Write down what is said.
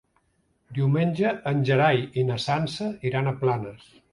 Diumenge en Gerai i na Sança iran a Planes.